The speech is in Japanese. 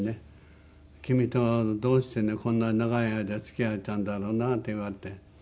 「君とどうしてねこんなに長い間付き合えたんだろうな」って言われて。